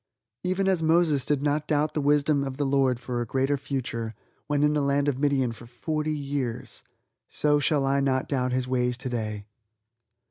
Even as Moses did not doubt the wisdom of the Lord for a greater future (when in the land of Midian for forty years), so shall I not doubt His ways today.